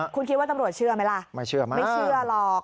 คุณคิดว่าตำรวจเชื่อไหมล่ะไม่เชื่อหรอก